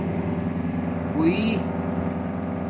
بݸئݶ